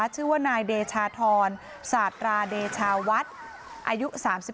ชื่อว่านายเดชาธรสาธาราเดชาวัดอายุ๓๒